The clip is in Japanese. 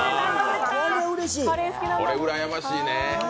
これ、うらやましいな。